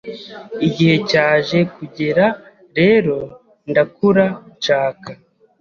Igihe cyaje kugera rero ndakura nshaka